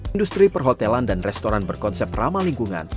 industri perhotelan dan restoran berkonsep ramah lingkungan